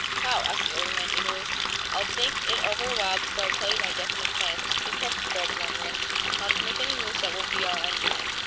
"How?" asked the older man, eagerly. "I'll think it over a while, before I tell you my definite plans." "Be careful, Fred," warned Rhinds, "not to make any moves that will be our undoing!"